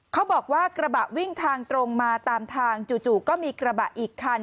เขาบอกว่ากระบะวิ่งทางตรงมาตามทางจู่ก็มีกระบะอีกคัน